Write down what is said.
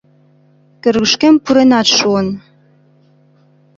Кӧргышкем пуренат шуын.